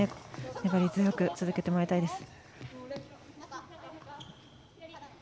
粘り強く続けてもらいたいです。